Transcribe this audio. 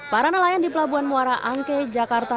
para nelayan di pelabuhan muara angke jakarta